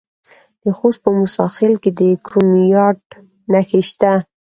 د خوست په موسی خیل کې د کرومایټ نښې شته.